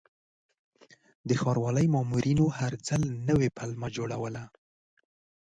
د ښاروالۍ مامورینو هر ځل نوې پلمه جوړوله.